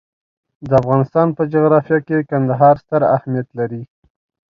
د افغانستان په جغرافیه کې کندهار ستر اهمیت لري.